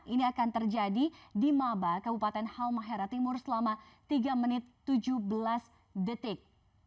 ini akan terjadi di maba kabupaten halmahera timur selama tiga menit tujuh belas detik